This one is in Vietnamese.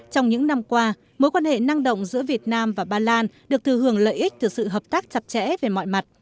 trong những năm qua mối quan hệ năng động giữa việt nam và ba lan được thừa hưởng lợi ích từ sự hợp tác chặt chẽ về mọi mặt